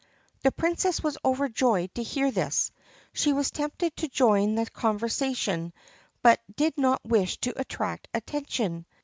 The Princess was overjoyed to hear this. She was tempted to join the conversation but did not wish to attract attention.